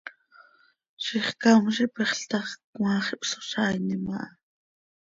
Zixcám z ipexl ta x, cmaax ihpsozaainim aha.